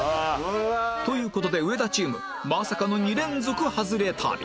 という事で上田チームまさかの２連続ハズレ旅